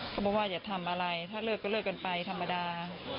เขาบอกว่าอย่าทำอะไรถ้าเลิกก็เลิกกันไปธรรมดา